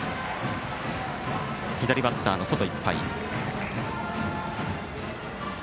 左バッターの外いっぱい。